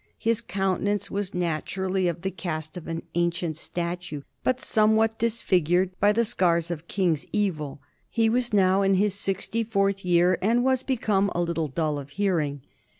His countenance was naturally of the cast of an ancient statue, but somewhat disfigured by the scars of King's evil. He was now in his sixty fourth year and was become a little dull of hearing.